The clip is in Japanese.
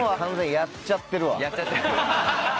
やっちゃってる。